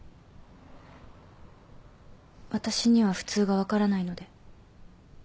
私には普通が分からないので。